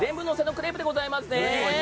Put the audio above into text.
クレープでございますね。